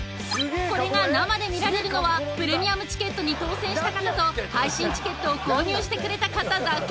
これが生で見られるのはプレミアムチケットに当選した方と配信チケットを購入してくれた方だけ。